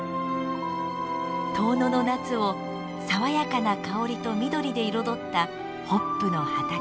遠野の夏を爽やかな香りと緑で彩ったホップの畑。